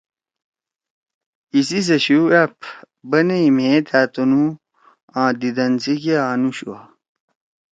ایسی سے شُو آپ، بنائی میئے تھا تُنُو آ دیدن سی کیا انو شُوا۔